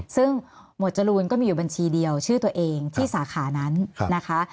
ซึ่งหมวดจรูนก็มีอยู่บัญชีเดียวชื่อตัวเองที่สาขานั้นนะคะ